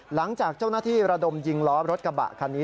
หลังจากเจ้าหน้าที่ระดมยิงล้อรถกระบะคันนี้